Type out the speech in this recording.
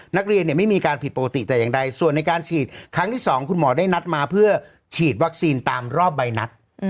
นักเรียนไม่มีการผิดปกติแต่อย่างใดส่วนในการฉีดครั้งที่๒คุณหมอได้นัดมาเพื่อฉีดวัคซีนตามรอบใบนัด